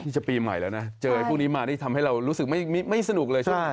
จะปีใหม่แล้วนะเจอไอ้พวกนี้มานี่ทำให้เรารู้สึกไม่สนุกเลยใช่ไหม